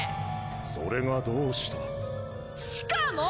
それがどうした？しかもー！